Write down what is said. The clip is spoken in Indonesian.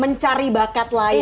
mencari bakat lain